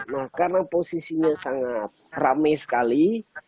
nah karena posisinya sangat rame sekali